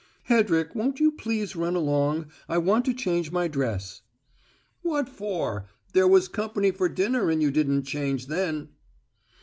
"Hedrick, won't you please run along? I want to change my dress." "What for? There was company for dinner and you didn't change then."